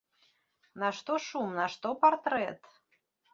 Нашто шум, нашто партрэт?